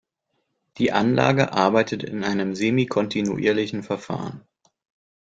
Die Anlage arbeitet in einem semi-kontinuierlichen Verfahren.